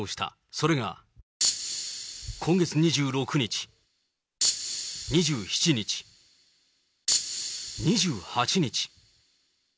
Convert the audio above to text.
それが、今月２６日、２７日、２８日。